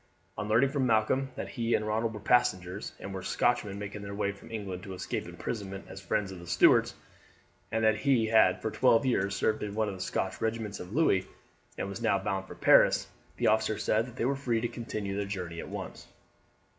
On learning from Malcolm that he and Ronald were passengers, and were Scotsmen making their way from England to escape imprisonment as friends of the Stuarts, and that he had for twelve years served in one of the Scotch regiments of Louis, and was now bound for Paris, the officer said that they were free to continue their journey at once.